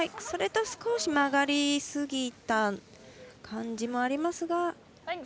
それと少し曲がりすぎた感じもありますが。